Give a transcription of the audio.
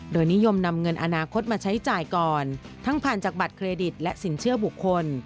โดยนิยมนำเงินอนาคตมาใช้จ่ายก่อนทั้งผ่านจากบัตรเครดิตและสินเชื่อบุคคล